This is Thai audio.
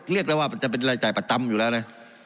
เรียกได้ว่าจะเป็นรายจ่ายประจำอยู่แล้วนะ